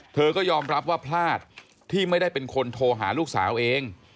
เธอก็ยอมรับว่าพลาดที่ไม่ได้เป็นคนโทรหาลูกสาวเอง